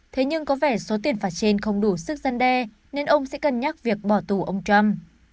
thế nhưng có vẻ số tiền phạt trên không đủ sức dân đe nên ông sẽ cân nhắc việc bỏ tù ông trump